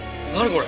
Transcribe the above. これ！